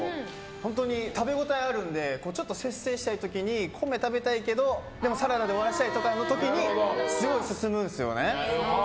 本当に、食べ応えあるのでちょっと節制したい時に米食べたいけど、でもサラダで終わりにしたいっていう時にすごい進むんですよね。